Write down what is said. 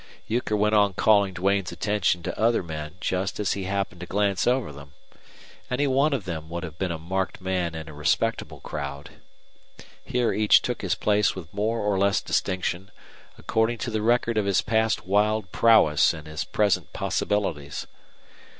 Euchre went on calling Duane's attention to other men, just as he happened to glance over them. Any one of them would have been a marked man in a respectable crowd. Here each took his place with more or less distinction, according to the record of his past wild prowess and his present possibilities.